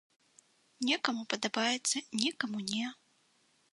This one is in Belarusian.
Некаму падабаецца, некаму не.